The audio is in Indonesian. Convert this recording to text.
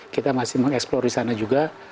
kita masih mengeksplor di sana juga